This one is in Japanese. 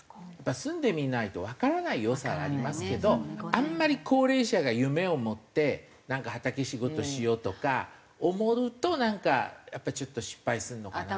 住んでみないとわからない良さはありますけどあんまり高齢者が夢を持ってなんか畑仕事しようとか思うとなんかやっぱりちょっと失敗するのかな。